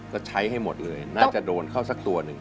ก็ใช้ให้หมดเลยน่าจะโดนเข้าสักตัวหนึ่ง